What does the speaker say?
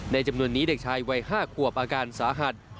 จำนวนนี้เด็กชายวัย๕ขวบอาการสาหัส